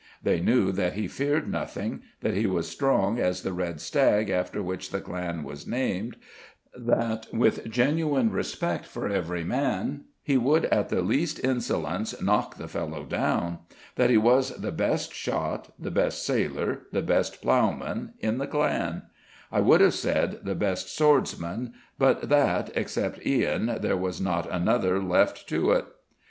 They knew that he feared nothing; that he was strong as the red stag after which the clan was named; that, with genuine respect for every man, he would at the least insolence knock the fellow down; that he was the best shot, the best sailor, the best ploughman in the clan: I would have said THE BEST SWORDSMAN, but that, except Ian, there was not another left to it.